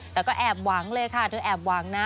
แต่ก็แอบหวังเลยค่ะเธอแอบหวังนะ